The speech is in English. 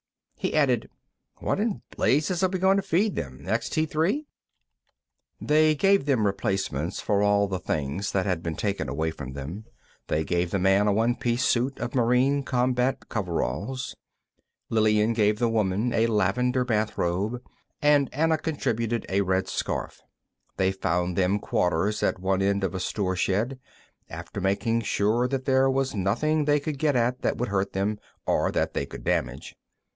He added, "What in blazes are we going to feed them; Extee Three?" They gave them replacements for all the things that had been taken away from them. They gave the man a one piece suit of Marine combat coveralls; Lillian gave the woman a lavender bathrobe, and Anna contributed a red scarf. They found them quarters in one end of a store shed, after making sure that there was nothing they could get at that would hurt them or that they could damage.